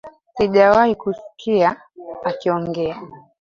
Sijawahi kumsikia akiongea